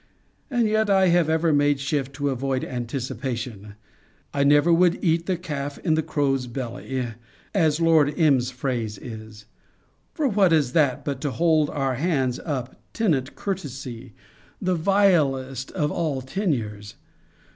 And yet I ever made shift to avoid anticipation: I never would eat the calf in the cow's belly, as Lord M.'s phrase is: for what is that, but to hold our lands upon tenant courtesy, the vilest of all tenures?